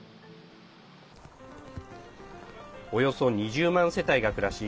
およそ２０万世帯が暮らし